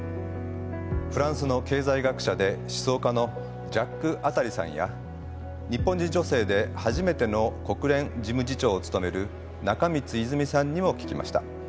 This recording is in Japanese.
フランスの経済学者で思想家のジャック・アタリさんや日本人女性で初めての国連事務次長を務める中満泉さんにも聞きました。